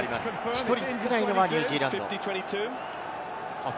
１人少ないニュージーランド。